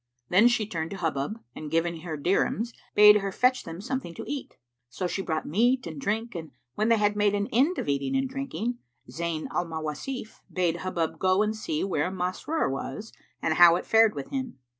Then she turned to Hubub and giving her dirhams, bade her fetch them something to eat. So she brought meat and drink and when they had made an end of eating and drinking,[FN#372] Zayn al Mawasif bade Hubub go and see where Masrur was and how it fared with him.